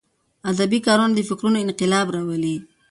ادبي کارونه د فکرونو انقلاب راولي.